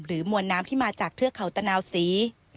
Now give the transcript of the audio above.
มวลน้ำที่มาจากเทือกเขาตะนาวศรี